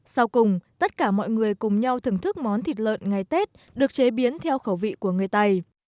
sau cùng tất cả mọi người cùng nhau thưởng thức món thịt lợn ngày tết được chế biến theo khẩu vị của người tày